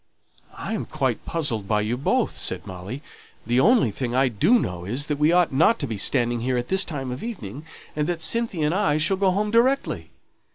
"I am quite puzzled by you both," said Molly. "The only thing I do know is, that we ought not to be standing here at this time of evening, and that Cynthia and I shall go home directly.